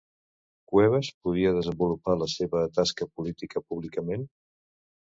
Cuevas podia desenvolupar la seva tasca política públicament?